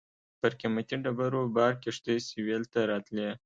پر قیمتي ډبرو بار کښتۍ سېویل ته راتلې.